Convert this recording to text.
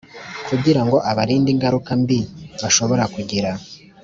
Kugira ngo abarinde ingaruka mbi bashobobora kugira